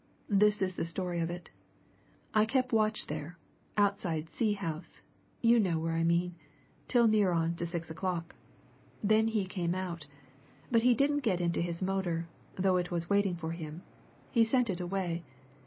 This is the story of it. I kept watch there, outside C. House you know where I mean till near on to six o'clock. Then he came out. But he didn't get into his motor, though it was waiting for him. He sent it away.